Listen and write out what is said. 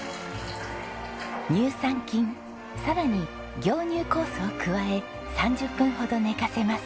乳酸菌さらに凝乳酵素を加え３０分ほど寝かせます。